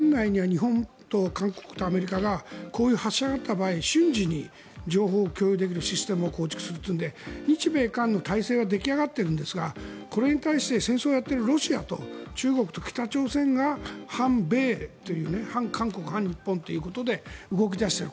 この間のキャンプデービッドの日米韓首脳会談で年内には日本と韓国とアメリカがこういう発射があった場合瞬時に情報を共有できるシステムを構築するというので日米韓の体制は出来上がっているんですがこれに対して戦争をやっているロシアと中国と北朝鮮が反米という反韓国、反日本ということで動き出している。